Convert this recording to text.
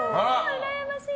うらやましい！